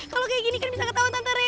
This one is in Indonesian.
kalau kayak gini kan bisa ketawa tante rere